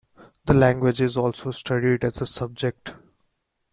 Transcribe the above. The language is also studied as a subject.